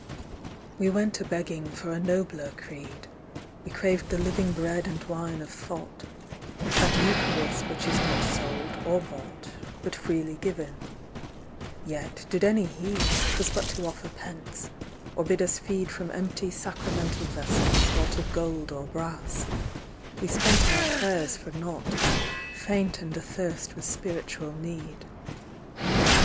We went a begging for a nobler creed, We craved the living bread and wine of thought, That Eucharist which is not sold or bought, But freely given ; yet, did any heed, 'Twas but to offer pence, or bid us feed From empty sacramental vessels, wrought Of gold or brass ; we spent our prayers for nought, Faint and athirst with spiritual need.